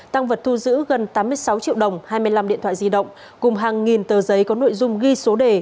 tăng vật thu giữ gần tám mươi sáu triệu đồng hai mươi năm điện thoại di động cùng hàng nghìn tờ giấy có nội dung ghi số đề